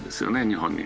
日本に。